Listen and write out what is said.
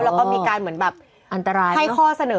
แล้วก็มีการเหมือนแบบอันตรายให้ข้อเสนอ